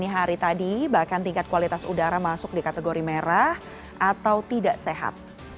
hari tadi bahkan tingkat kualitas udara masuk di kategori merah atau tidak sehat